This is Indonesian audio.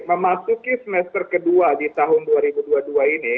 memasuki semester kedua di tahun dua ribu dua puluh dua ini